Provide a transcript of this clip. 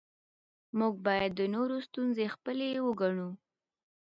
موږ باید د نورو ستونزې خپلې وګڼو